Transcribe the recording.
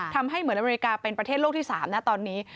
ทำให้เหมือนอเมริกาเป็นประเทศโลกที่๓นะตอนนี้